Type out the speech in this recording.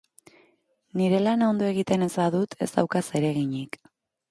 Nire lana ondo egiten ez badut, ez daukat zereginik.